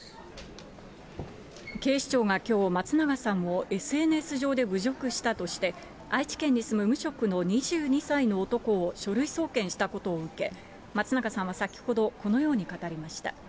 警視庁がきょう、松永さんをＳＮＳ上で侮辱したとして、愛知県に住む無職の２２歳の男を書類送検したことを受け、松永さんは先ほど、このように語りました。